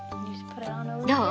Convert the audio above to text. どう？